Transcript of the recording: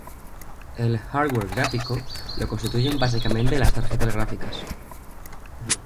El "hardware" gráfico lo constituyen básicamente las tarjetas gráficas.